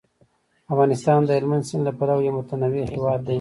افغانستان د هلمند سیند له پلوه یو متنوع هیواد دی.